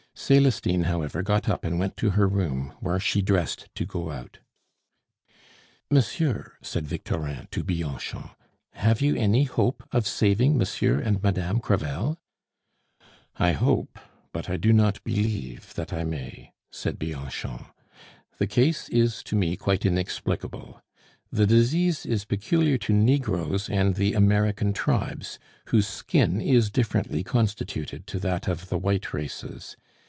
Celestine, however, got up and went to her room, where she dressed to go out. "Monsieur," said Victorin to Bianchon, "have you any hope of saving Monsieur and Madame Crevel?" "I hope, but I do not believe that I may," said Bianchon. "The case is to me quite inexplicable. The disease is peculiar to negroes and the American tribes, whose skin is differently constituted to that of the white races.